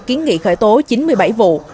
khởi tố chín mươi bảy vụ